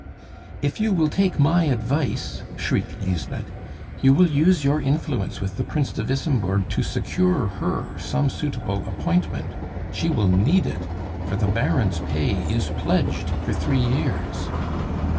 "If you will take my advice," shrieked Lisbeth, "you will use your influence with the Prince de Wissembourg to secure her some suitable appointment. She will need it, for the Baron's pay is pledged for three years."